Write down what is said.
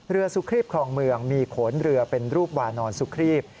เรือสุครีพของเมืองมีขนเรือเป็นรูปวานอนสุครีพ